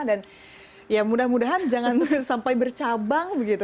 dan ya mudah mudahan jangan sampai bercabang begitu